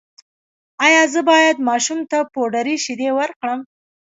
ایا زه باید ماشوم ته پوډري شیدې ورکړم؟